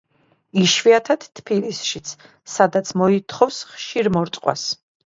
იშვიათად თბილისშიც, სადაც მოითხოვს ხშირ მორწყვას.